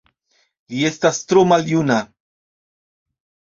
Li estas tro maljuna.